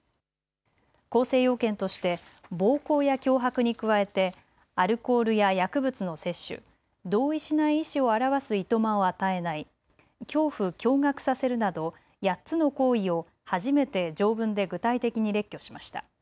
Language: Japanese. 構成要件として暴行や脅迫に加えてアルコールや薬物の摂取、同意しない意思を表すいとまを与えない、恐怖・驚がくさせるなど８つの行為を初めて条文で具体的に列挙しました。